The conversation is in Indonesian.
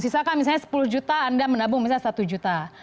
sisakan misalnya sepuluh juta anda menabung misalnya satu juta